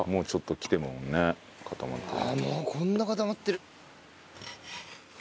ああもうこんな固まってる。